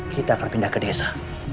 kita akan pindah ke desa